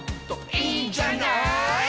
「いいんじゃない」